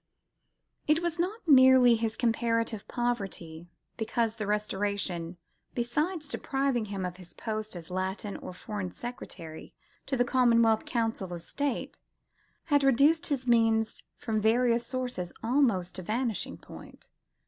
It was not merely his comparative poverty, because the Restoration, besides depriving him of his post as Latin or Foreign Secretary to the Commonwealth Council of State, had reduced his means from various sources almost to vanishing point.